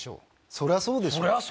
そりゃそうですよ。